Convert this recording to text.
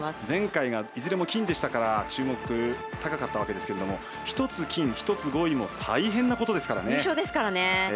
前回がいずれも金でしたから注目が高まったんですが１つ金、１つ５位は大変なことですからね。